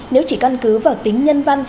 nếu chỉ căn cứ vào tính nhân văn